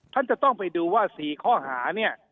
ท่านจะต้องไปดูว่า๔ข้อหาเนี่ย